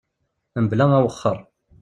Mebla awexxer.